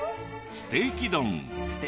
ステーキ丼。